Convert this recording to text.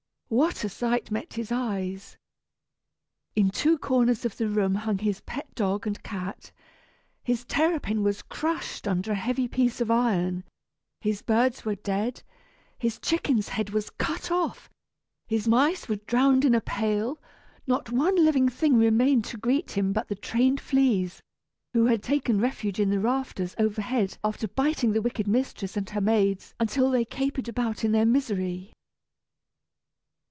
what a sight met his eyes! In two corners of the room hung his pet dog and cat, his terrapin was crushed under a heavy piece of iron, his birds were dead, his chicken's head was cut off, his mice were drowned in a pail; not one living thing remained to greet him but the trained fleas, who had taken refuge in the rafters overhead after biting the wicked mistress and her maids until they capered about in their misery!